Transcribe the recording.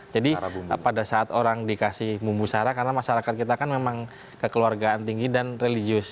jadi pada saat orang dikasih bumbu sara karena masyarakat kita kan memang kekeluargaan tinggi dan religius